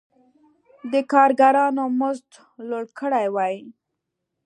د کارګرانو مزد لوړ کړی وای.